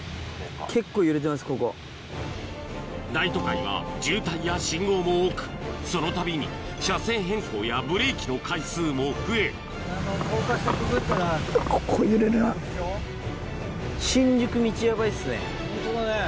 大都会は渋滞や信号も多くそのたびに車線変更やブレーキの回数も増えホントだね。